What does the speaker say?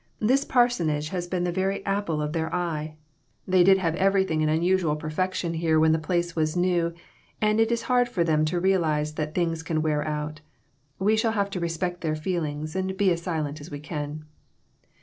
This parsonage has been the very apple of their eye; they did A SMOKY ATMOSPHERE. 75 have everything in unusual perfection here when the place was new, and it is hard for them to real ize that things can wear out. We shall have to ; respect their feelings, and be as silent as we can."